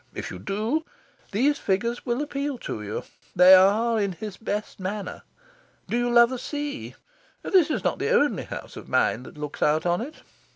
If you do, these figures will appeal to you: they are in his best manner. Do you love the sea? This is not the only house of mine that looks out on it.